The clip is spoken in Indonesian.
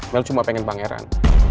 mel cuma pengen pangeran